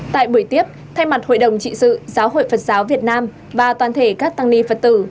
tại buổi tiếp thay mặt hội đồng trị sự giáo hội phật giáo việt nam và toàn thể các tăng ni phật tử